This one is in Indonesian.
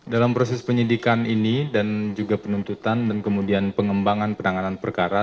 dalam proses penyidikan ini dan juga penuntutan dan kemudian pengembangan penanganan perkara